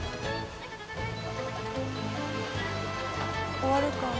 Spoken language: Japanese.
終わるかな？